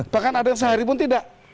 bahkan ada yang sehari pun tidak